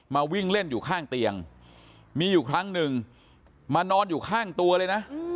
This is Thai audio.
มาวิ่งเล่นอยู่ข้างเตียงมีอยู่ครั้งหนึ่งมานอนอยู่ข้างตัวเลยนะ